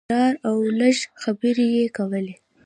کرار او لږې خبرې یې کولې.